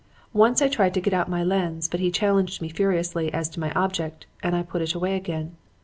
Once I tried to get out my lens; but he challenged me furiously as to my object, and I put it away again.